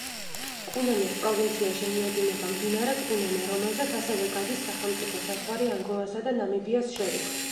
კუნენეს პროვინციაში მიედინება მდინარე კუნენე, რომელზეც ასევე გადის სახელმწიფო საზღვარი ანგოლასა და ნამიბიას შორის.